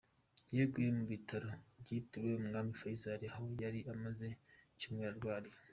Yaguye mu bitaro byitiriwe Umwami Faisal aho yari amaze icyumweru arwariye.